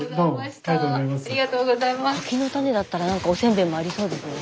スタジオ柿の種だったら何かおせんべいもありそうですね。